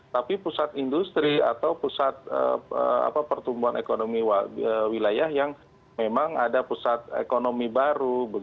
tapi pusat industri atau pusat pertumbuhan ekonomi wilayah yang memang ada pusat ekonomi baru